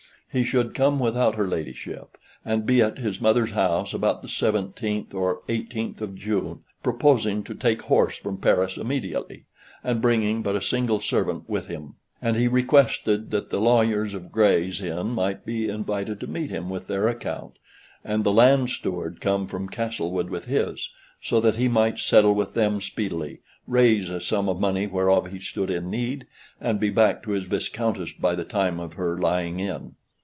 He should come without her ladyship, and be at his mother's house about the 17th or 18th day of June, proposing to take horse from Paris immediately, and bringing but a single servant with him; and he requested that the lawyers of Gray's inn might be invited to meet him with their account, and the land steward come from Castlewood with his, so that he might settle with them speedily, raise a sum of money whereof he stood in need, and be back to his viscountess by the time of her lying in."